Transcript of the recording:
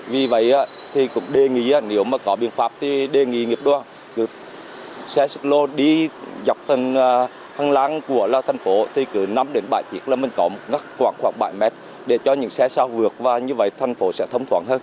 vì vậy thì cũng đề nghị nếu mà có biện pháp thì đề nghị nghiệp đoàn xích lô đi dọc thành hàng làng của thành phố thì cứ năm đến bảy chiếc là mình có khoảng bảy mét để cho những xe sao vượt và như vậy thành phố sẽ thấm thoảng hơn